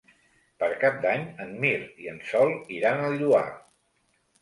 Per Cap d'Any en Mirt i en Sol iran al Lloar.